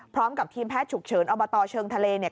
พร้อมกับทีมแพทย์ฉุกเฉินอบตเชิงทะเลเนี่ย